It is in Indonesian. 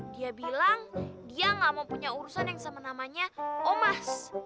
dia bilang dia gak mau punya urusan yang sama namanya omas